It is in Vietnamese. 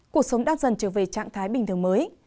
cuộc sống đang dần trở về trạng thái bình thường mới